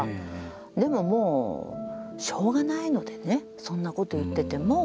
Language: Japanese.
でももうしょうがないのでねそんなことを言ってても。